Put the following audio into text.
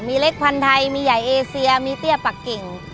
มีเล็กพันธุ์ไทยมีใหญ่เอเซียมีเตี้ยปักกิ่ง